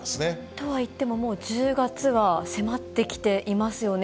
とはいっても、もう１０月は迫ってきていますよね。